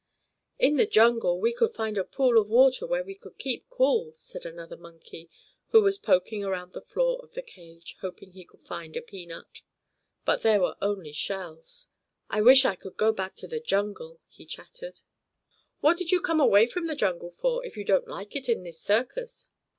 "In the jungle we could find a pool of water where we could keep cool," said another monkey, who was poking around the floor of the cage, hoping he could find a peanut. But there were only shells. "I wish I could go back to the jungle," he chattered. "What did you come away from the jungle for, if you don't like it in this circus?"